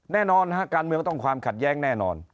แน่นอนฮะการเมืองต้องความขัดแย้งแน่นอน